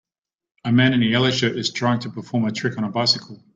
A man in a yellow shirt is trying to perform a trick on a bicycle.